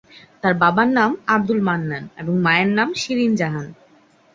তার বাবার নাম আব্দুল মান্নান এবং মায়ের নাম শিরিন জাহান।